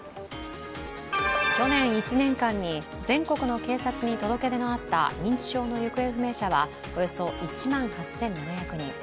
去年１年間に全国の警察に届け出のあった認知症の行方不明者はおよそ１万８７００人。